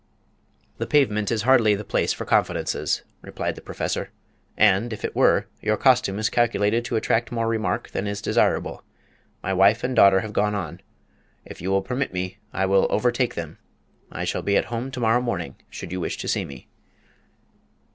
"The pavement is hardly the place for confidences," replied the Professor, "and, if it were, your costume is calculated to attract more remark than is desirable. My wife and daughter have gone on if you will permit me, I will overtake them I shall be at home to morrow morning, should you wish to see me."